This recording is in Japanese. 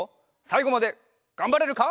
さいごまでがんばれるか？